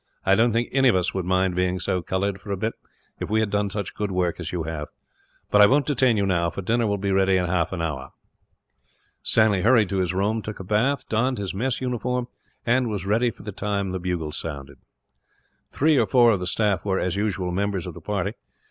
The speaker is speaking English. "I don't think any of us would mind being so coloured, for a bit, if we had done such good work as you have; but I won't detain you now, for dinner will be ready in half an hour." Stanley hurried to his room, took a bath, donned his mess uniform, and was ready by the time the bugle sounded. Three or four of the staff were, as usual, members of the party.